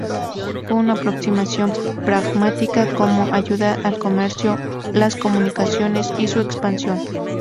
Fue una aproximación pragmática, como ayuda al comercio, las comunicaciones y su expansión.